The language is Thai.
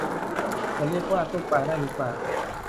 จะเรียกว่าตู้ปลาได้รึเปล่า